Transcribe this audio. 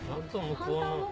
怖い。